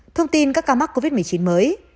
thông tin các ca mắc covid một mươi chín mới